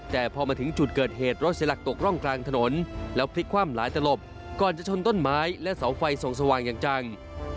แต่พอมาถึงจุดเกิดเหตุรถเสียหลักตกร่องกลางถนนแล้วพลิกคว่ำหลายตลบก่อนจะชนต้นไม้และเสาไฟส่องสว่างอย่างจัง